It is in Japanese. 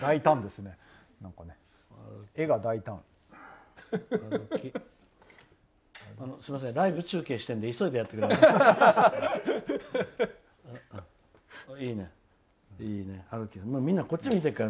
すみませんライブ中継してるので急いでやってくれますか。